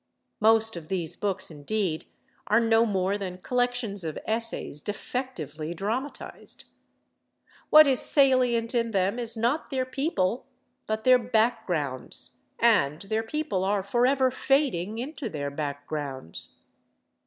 Most of these books, indeed, are no more than collections of essays defectively dramatized. What is salient in them is not their people, but their backgrounds—and their people are forever fading into their backgrounds.